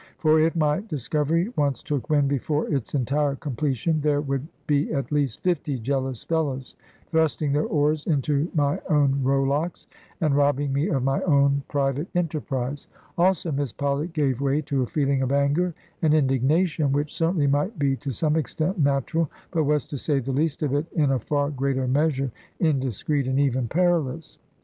For if my discovery once took wind before its entire completion, there would be at least fifty jealous fellows thrusting their oars into my own rowlocks, and robbing me of my own private enterprise. Also Miss Polly gave way to a feeling of anger and indignation, which certainly might be to some extent natural, but was, to say the least of it, in a far greater measure indiscreet, and even perilous.